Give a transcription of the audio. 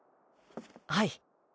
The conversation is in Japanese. はい